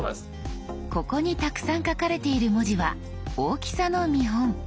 ここにたくさん書かれている文字は大きさの見本。